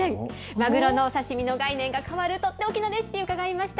マグロのお刺身の概念が変わる取って置きのレシピ、伺いました。